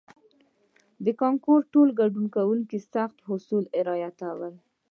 د کانکور ټولو ګډونوالو سخت اصول رعایتول.